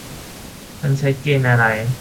มันใช้เกณฑ์อะไร ?